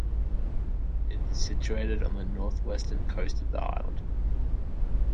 It is situated on the north-western coast of the island.